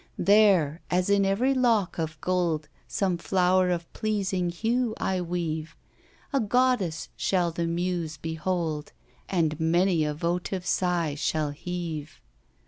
There, as in every lock of gold Some flower of pleasing hue I weave, A goddess shall the muse behold, And many a votive sigh shall heave.